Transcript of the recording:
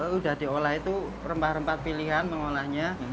sudah diolah itu rempah rempah pilihan mengolahnya